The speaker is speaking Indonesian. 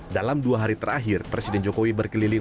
dalam dua hari terakhir presiden jokowi berkeliling